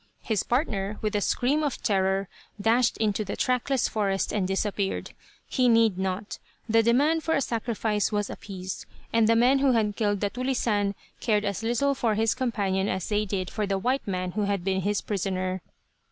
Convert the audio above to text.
His partner, with a scream of terror, dashed into the trackless forest and disappeared. He need not. The demand for a sacrifice was appeased, and the men who had killed the "tulisane" cared as little for his companion as they did for the white man who had been his prisoner.